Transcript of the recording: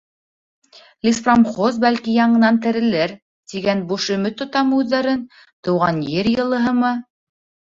Леспромхоз, бәлки, яңынан терелер, тигән буш өмөт тотамы үҙҙәрен, тыуған ер йылыһымы?